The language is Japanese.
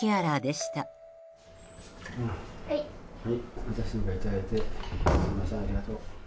すみません、ありがとう。